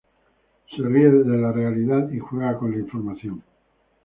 Se ríe de la realidad y juega con la información.